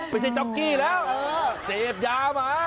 ไม่ใช่จ๊อกกี้แล้วเซฟยามา